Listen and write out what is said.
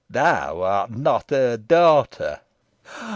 Thou art not her daughter."